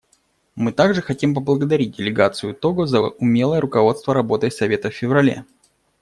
Мы также хотим поблагодарить делегацию Того за умелое руководство работой Совета в феврале.